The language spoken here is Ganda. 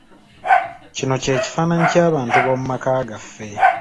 Kino ky'ekifaananyi ky'abantu b'omu maka gaffe.